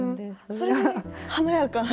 それで華やかな。